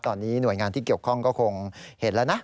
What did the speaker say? ตอนนี้หน่วยงานที่เกี่ยวข้องก็คงเห็นแล้วนะ